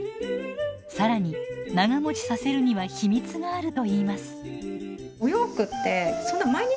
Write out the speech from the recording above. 更に長もちさせるには秘密があるといいます。